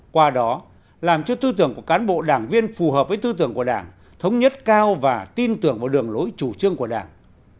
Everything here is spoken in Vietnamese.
qua đó làm cho tư tưởng của cán bộ đảng viên phù hợp với tư tưởng của đảng thống nhất cao và tin tưởng vào đường lối chủ trương của đảng